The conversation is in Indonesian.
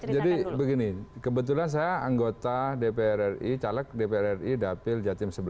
jadi begini kebetulan saya anggota dpr ri caleg dpr ri dapil jatim sebelas